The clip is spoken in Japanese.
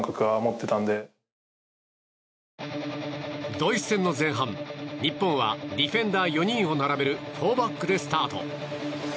ドイツ戦の前半日本は、ディフェンダー４人を並べる４バックでスタート。